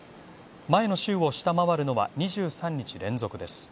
前の週を下回るのは２３日連続です。